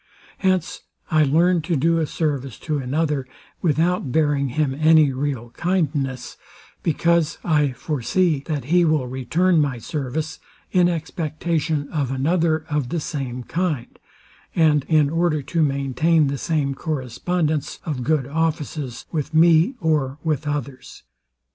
Hence I learn to do a service to another, without bearing him any real kindness; because I forsee, that he will return my service, in expectation of another of the same kind, and in order to maintain the same correspondence of good offices with me or with others.